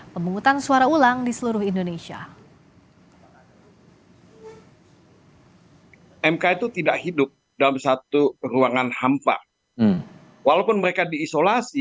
pemungutan suara ulang di seluruh indonesia